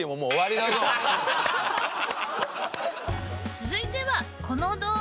続いてはこの動画。